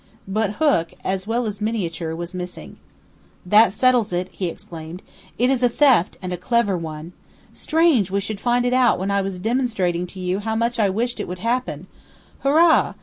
But hook, as well as miniature, was missing. "That settles it!" he exclaimed. "It is a theft, and a clever one! Strange we should find it out when I was demonstrating to you how much I wished it would happen. Hurrah!